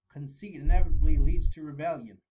Conceit inevitably leads to rebellion.